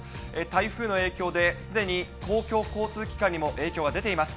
台風の影響で、すでに公共交通機関にも影響が出ています。